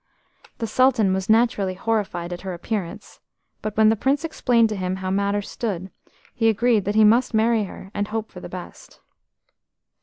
The Sultan was naturally horrified at her appearance, but when the Prince explained to him how matters stood, he agreed that he must marry her, and hope for the best.